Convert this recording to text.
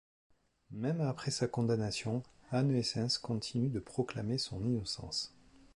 Même après sa condamnation, Anneessens continue de proclamer son innocence.